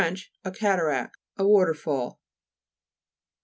A cataract ; a water fall.